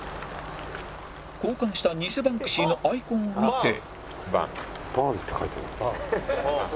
交換した偽バンクシーのアイコンを見て